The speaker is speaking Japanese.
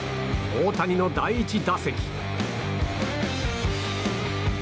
大谷の第１打席。